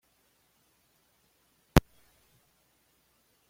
Tele-Communications Inc.